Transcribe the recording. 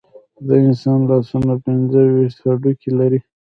د انسان لاسونه پنځه ویشت هډوکي لري.